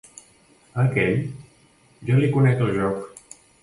A aquell, ja li conec el joc.